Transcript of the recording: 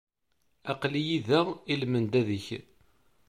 Aql-iyi da i lmendad-ik.